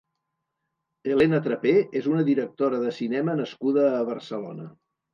Elena Trapé és una directora de cinema nascuda a Barcelona.